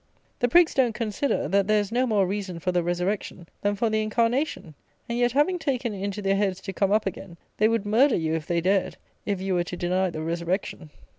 The prigs don't consider, that there is no more reason for the resurrection than for the incarnation; and yet having taken it into their heads to come up again, they would murder you, if they dared, if you were to deny the resurrection.